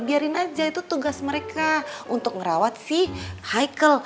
biarin aja itu tugas mereka untuk ngerawat si hicle